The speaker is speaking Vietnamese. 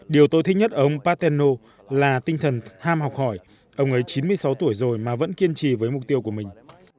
điều tôi thích nhất ông paterno là tinh thần ham học hỏi ông ấy chín mươi sáu tuổi rồi mà vẫn kiên trì với mục tiêu của mình